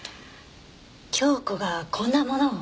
京子がこんなものを？